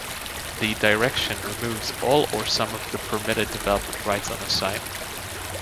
The Direction removes all or some of the permitted development rights on a site.